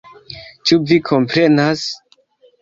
Ĉu vi komprenas??